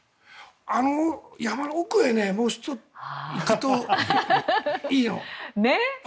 あの山の奥へもう１つ、行くといいの。